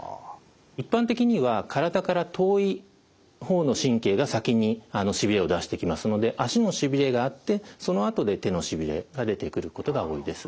一般的には体から遠い方の神経が先にしびれを出してきますので足のしびれがあってそのあとで手のしびれが出てくることが多いです。